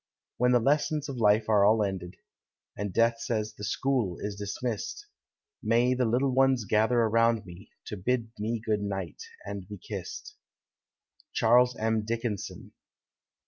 When the lessons of life are all ended, And death says, "The school is dismissed!" May the little ones gather around me, To bid me good night and be kissed ! CHAKLKS M. DICKINSON.